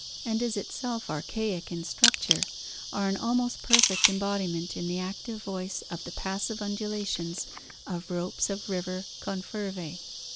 asi is itself archaic in strjeture, are an ahr oist perfect ecbocizaent in the active voice of the passive trndulitic as of ropes of river cccfervae.